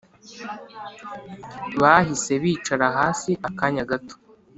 bahise bicara hasi akanya gato.